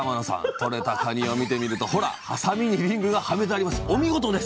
とれたかにを見てみるとほらハサミにリングがはめてあります。